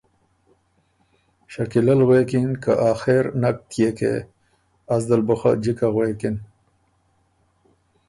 شکیله ل غوېکِن که آخر نک تيېکې از دل بُو خه جِکه غوېکِن